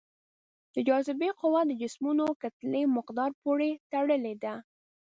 د جاذبې قوه د جسمونو کتلې مقدار پورې تړلې ده.